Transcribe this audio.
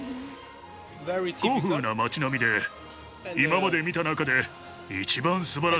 古風な町並みで今まで見た中で一番素晴らしいよ。